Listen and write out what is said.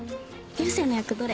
流星の役どれ？